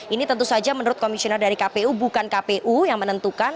ini tentu saja menurut komisioner dari kpu bukan kpu yang menentukan